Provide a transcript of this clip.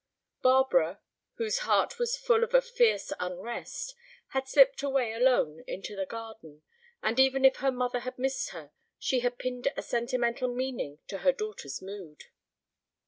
Barbara, whose heart was full of a fierce unrest, had slipped away alone into the garden, and even if her mother had missed her, she had pinned a sentimental meaning to her daughter's mood.